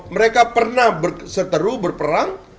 mereka pernah seteru berperang